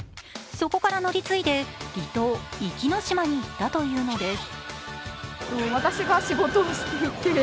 そこから乗り継いで離島・壱岐島に行ったというのです。